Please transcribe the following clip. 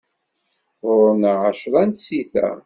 Ɣur-neɣ εecra tsita.